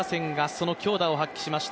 その強打を発揮しました。